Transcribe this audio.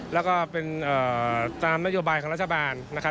แล้วก็เป็นตามนโยบายของรัฐบาลนะครับ